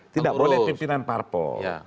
tidak boleh pimpinan parpol